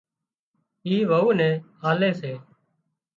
اي وئو نين آلي سي